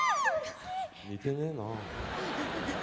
似てねえな。